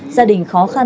gia đình khó khăn